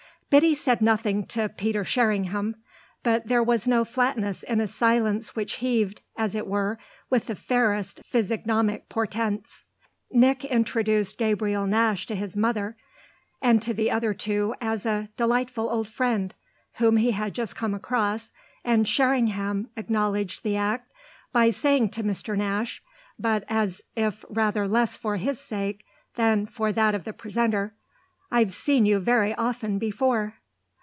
Biddy said nothing to Peter Sherringham, but there was no flatness in a silence which heaved, as it were, with the fairest physiognomic portents. Nick introduced Gabriel Nash to his mother and to the other two as "a delightful old friend" whom he had just come across, and Sherringham acknowledged the act by saying to Mr. Nash, but as if rather less for his sake than for that of the presenter: "I've seen you very often before."